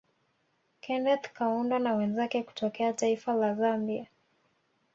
Keneth Kaunda na wenzake kutokea taifa La Zambia